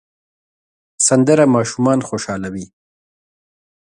سندره ماشومان خوشحالوي